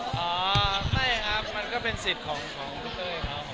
ก็เป็นใช่ครับไม่ครับมันก็เป็นสิทธิ์ของกูเต้ยเขา